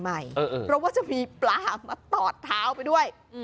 เพราะว่าจะมีปลามาตอดเท้าไปด้วย